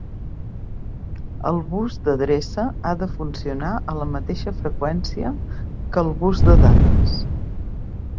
El bus d'adreça ha de funcionar a la mateixa freqüència que el bus de dades.